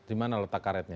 di mana letak karetnya